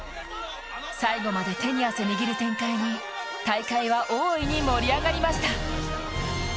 最後まで手に汗握る展開に大会は大いに盛り上がりました。